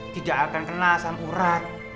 tidak akan kena asam urat